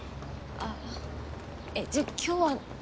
あっえっじゃあ今日は？